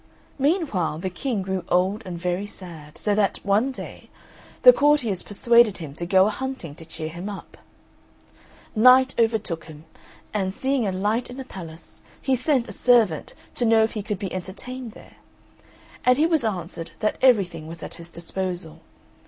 Meanwhile the King grew old and very sad, so that, one day, the courtiers persuaded him to go a hunting to cheer him up. Night overtook him, and, seeing a light in a palace, he sent a servant to know if he could be entertained there; and he was answered that everything was at his disposal.